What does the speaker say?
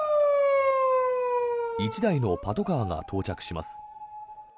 １台のパトカーが到着します。